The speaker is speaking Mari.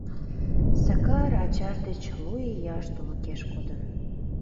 Сакар ачаж деч лу ияш тулыкеш кодын.